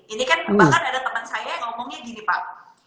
ini kan bahkan ada teman saya yang ngomongnya gini pak